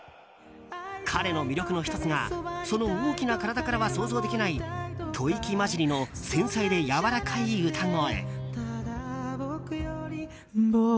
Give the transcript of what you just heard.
彼の魅力の１つがその大きな体からは想像できない吐息交じりの繊細でやわらかい歌声。